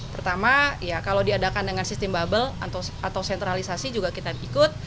pertama ya kalau diadakan dengan sistem bubble atau sentralisasi juga kita ikut